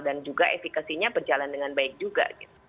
dan juga efekasinya berjalan dengan baik juga